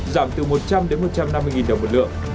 giảm từ một trăm linh đến một trăm năm mươi đồng một lượng